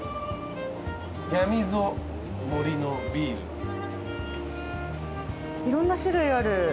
「やみぞ森林のビール」いろんな種類ある。